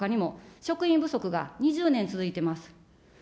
ほかにも、職員不足が２０年続いてます。